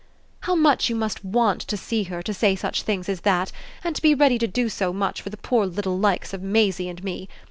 "How much you must WANT to see her to say such things as that and to be ready to do so much for the poor little likes of Maisie and me!